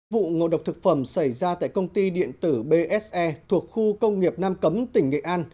vụ ngộ độc thực phẩm xảy ra tại công ty điện tử bse thuộc khu công nghiệp nam cấm tỉnh nghệ an